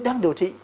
đang điều trị